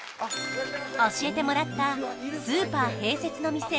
教えてもらったスーパー併設の店